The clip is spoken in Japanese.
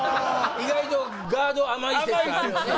意外とガード甘い説あるよね